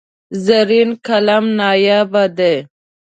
زرین قلم نایاب دی.